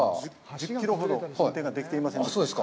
１０キロほど、運転ができていませんでした。